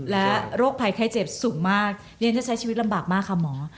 และโรคภัยไข้เจ็บสูงมากเรียนจะใช้ชีวิตลำบากมากค่ะหมอ